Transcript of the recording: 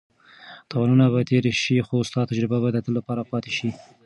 تاوانونه به تېر شي خو ستا تجربه به د تل لپاره پاتې شي.